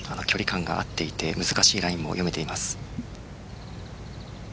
距離感が合っていて難しいラインを読めています。